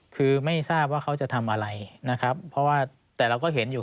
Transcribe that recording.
คือไม่ทราบว่าเขาจะทำอะไรนะครับเพราะว่าแต่เราก็เห็นอยู่